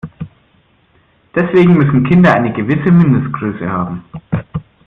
Deswegen müssen Kinder eine gewisse Mindestgröße haben.